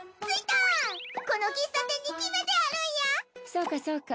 そうかそうか。